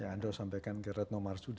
anda sampaikan ke retno marsudi